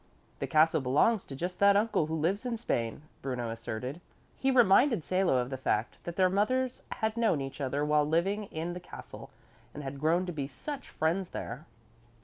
"The castle belongs to just that uncle who lives in Spain," Bruno asserted. He reminded Salo of the fact that their mothers had known each other while living in the castle and had grown to be such friends there.